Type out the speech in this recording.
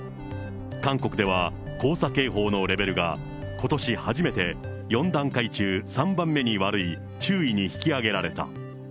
韓国では黄砂警報のレベルが、ことし初めて４段階中３番目に悪い注意に引き上げられた。